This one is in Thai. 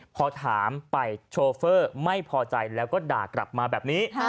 พอถามไปโชเฟอร์ไม่พอใจแล้วก็ด่ากลับมาแบบนี้